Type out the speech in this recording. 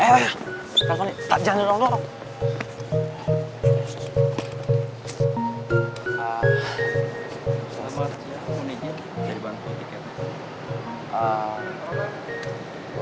pesawat mau nih jadi bantuin tiket